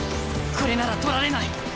これなら取られない。